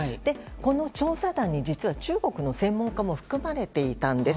この調査団に、実は中国の専門家も含まれていたんです。